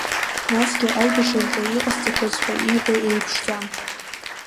Насгьы аибашьраҿы иҟасҵақәаз ҳәа ииҳәо еиԥшӡам.